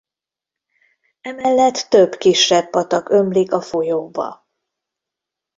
Emellett több kisebb patak ömlik a folyóba.